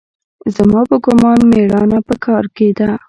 زما په ګومان مېړانه په کار کښې ده.